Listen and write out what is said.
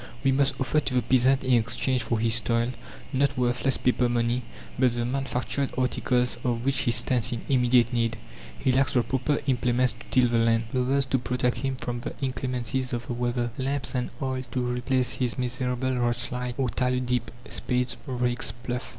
We must offer to the peasant in exchange for his toil not worthless paper money, but the manufactured articles of which he stands in immediate need. He lacks the proper implements to till the land, clothes to protect him from the inclemencies of the weather, lamps and oil to replace his miserable rushlight or tallow dip, spades, rakes, ploughs.